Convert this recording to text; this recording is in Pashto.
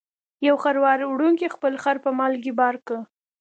یو خروار وړونکي خپل خر په مالګې بار کړ.